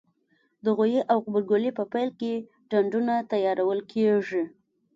د غويي او غبرګولي په پیل کې ډنډونه تیارول کېږي.